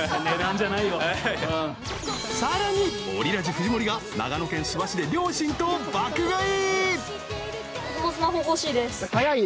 更に、オリラジ藤森が長野県諏訪市で両親と爆買い！